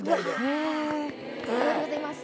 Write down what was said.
ありがとうございます。